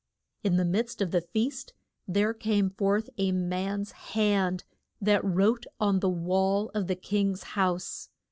In the midst of the feast there came forth a man's hand, that wrote on the wall of the king's house.